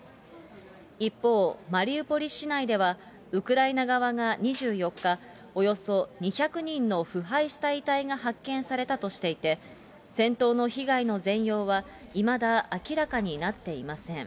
一方、マリウポリ市内ではウクライナ側が２４日、およそ２００人の腐敗した遺体が発見されたとしていて、戦闘の被害の全容は、いまだ明らかになっていません。